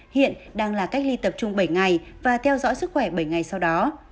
hiện đang là cách ly tập trung bảy ngày và theo dõi sức khỏe bảy ngày sau đó